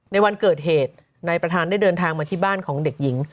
ในวันเกิดเหตุนายประธานได้เดินทางมาที่บ้านของเด็กหญิง